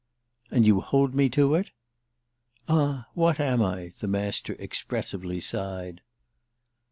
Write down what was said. "And you hold me to it?" "Ah what am I?" the Master expressively sighed.